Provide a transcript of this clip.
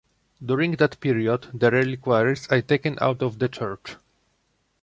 During that period, the reliquaries are taken out of the church.